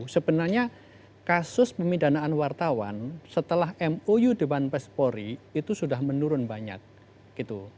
sebenarnya kasus pemidanaan wartawan setelah mou dewan pers polri itu sudah menurun banyak